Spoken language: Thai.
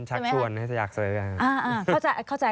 นี่ชักชวนให้อยากเสิร์สได้